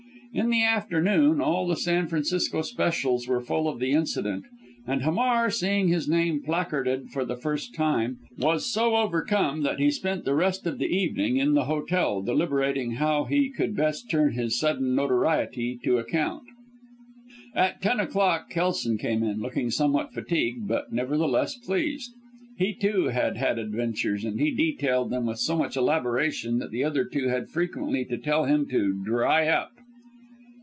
In the afternoon all the San Francisco specials were full of the incident, and Hamar, seeing his name placarded for the first time, was so overcome that he spent the rest of the evening in the hotel deliberating how he could best turn his sudden notoriety to account. At ten o'clock Kelson came in, looking somewhat fatigued, but, nevertheless, pleased. He, too, had had adventures, and he detailed them with so much elaboration that the other two had frequently to tell him to "dry up."